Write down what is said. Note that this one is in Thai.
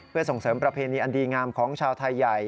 เพื่อส่งเสริมประเพณีอันดีงามของชาวไทยใหญ่